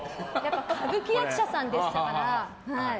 歌舞伎役者さんですから。